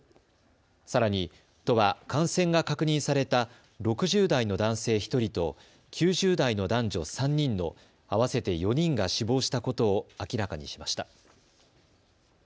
さらに、都は感染が確認された６０代の男性１人と９０代の男女３人の合わせて４人が死亡したことを明らかにしました。